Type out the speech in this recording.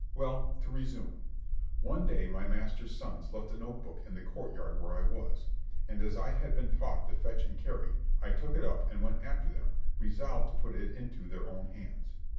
Well, to resume: one day my master's sons left a note book in the court yard where I was; and as I had been taught to fetch and carry, I took it up, and went after them, resolved to put it into their own hands.